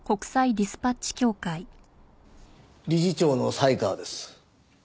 理事長の犀川です。